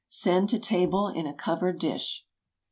Send to table in a covered dish.